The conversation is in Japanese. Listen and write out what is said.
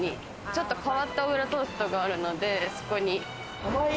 ちょっと変わった小倉トーストがあるので、そこに。